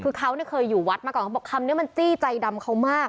คือเขาเคยอยู่วัดมาก่อนเขาบอกคำนี้มันจี้ใจดำเขามาก